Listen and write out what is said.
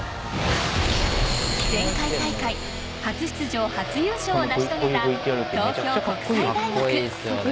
前回大会初出場初優勝を成し遂げた東京国際大学。